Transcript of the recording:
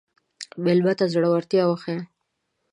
مېلمه ته زړورتیا وښیه.